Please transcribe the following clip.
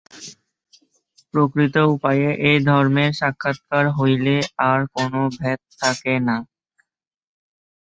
প্রকৃত উপায়ে এই ধর্মের সাক্ষাৎকার হইলে আর কোন ভেদ থাকে না।